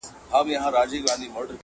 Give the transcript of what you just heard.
خو دايوه پوښتنه دا کوم چي ولي ريشا -